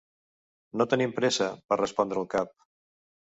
"No tenim pressa", va respondre el cap.